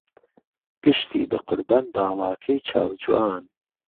گشتی به قوربان باڵاکهی چاوجوان